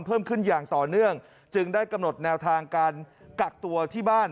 เพิ่มขึ้นอย่างต่อเนื่องจึงได้กำหนดแนวทางการกักตัวที่บ้าน